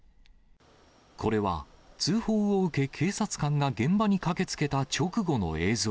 これは、通報を受け、警察官が現場に駆けつけた直後の映像。